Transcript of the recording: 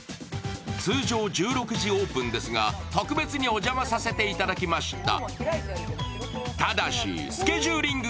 通常１６時オープンですが、特別にお邪魔させていただきました。